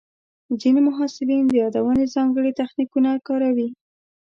ځینې محصلین د یادونې ځانګړي تخنیکونه کاروي.